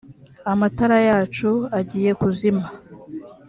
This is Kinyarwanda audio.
amatara yacu agiye kuzima